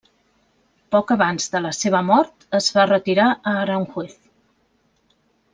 Poc abans de la seva mort es va retirar a Aranjuez.